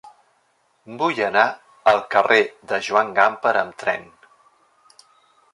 Vull anar al carrer de Joan Gamper amb tren.